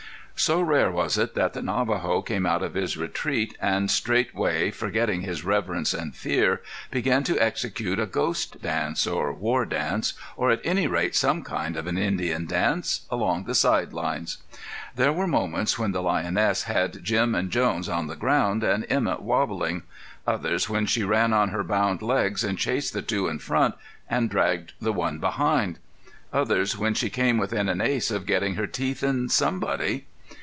So rare was it that the Navajo came out of his retreat and, straightway forgetting his reverence and fear, began to execute a ghost dance, or war dance, or at any rate some kind of an Indian dance, along the side lines. There were moments when the lioness had Jim and Jones on the ground and Emett wobbling; others when she ran on her bound legs and chased the two in front and dragged the one behind; others when she came within an ace of getting her teeth in somebody.